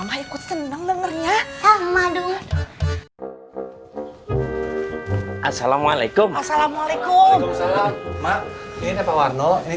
ma dong assalamualaikum assalamualaikum assalamualaikum salam mak ini pak warno ini